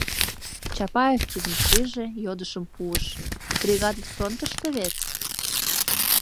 Чапаев тидым шиже, йодышым пуыш: — Бригадет фронтышто вет?.